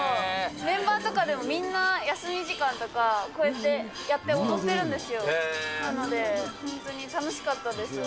メンバーとかでもみんな休み時間とか、こうやってやって、踊ってるんですよ。